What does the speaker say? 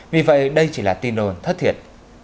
vì vậy đây chỉ là tin đồn thất thiệt